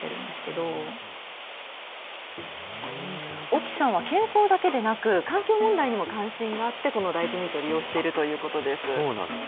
沖さんは健康だけでなく、環境問題にも関心があって、この大豆ミートを利用しているということです。